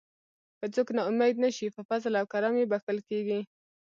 که څوک نا امید نشي په فضل او کرم یې بښل کیږي.